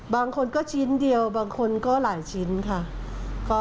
บางคนก็ชิ้นเดียวบางคนก็หลายชิ้นค่ะ